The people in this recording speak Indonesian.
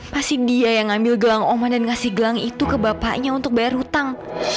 pasti dia yang ngambil gelang omah dan ngasih gelang itu ke bapaknya untuk bayar hutang